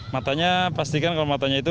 matanya pastikan kalau matanya itu